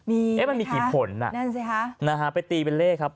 มีเอ๊ะมันมีกี่ผลอ่ะนั่นสิฮะนะฮะไปตีเป็นเลขครับ